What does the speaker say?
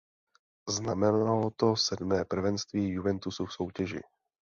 Znamenalo to sedmé prvenství Juventusu v soutěži.